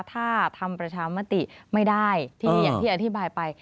ถ้าทำประชามาติไม่ได้ที่อธิบายไป